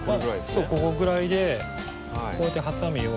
そうここぐらいでこうやってハサミを。